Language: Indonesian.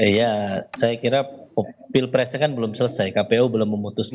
ya saya kira pilpresnya kan belum selesai kpu belum memutuskan